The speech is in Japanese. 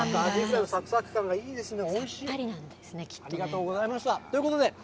チーズたっぷりでアジフライのサクサク感がいいですね。